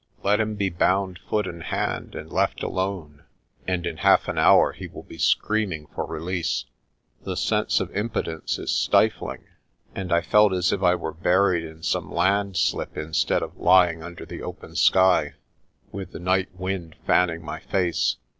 Let him be bound foot and hand and left alone, and in half an hour he will be screaming for release. The sense of impotence is stifling, and I felt as if I were buried in some landslip instead of lying under the open sky, with the night wind fanning my face.